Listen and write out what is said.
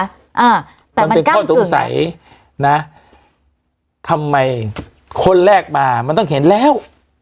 อ่าแต่มันกั้มกึ่งมันเป็นข้อตรงใสนะทำไมคนแรกมามันต้องเห็นแล้ว